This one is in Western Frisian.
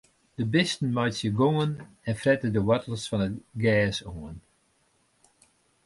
De bisten meitsje gongen en frette de woartels fan it gjers oan.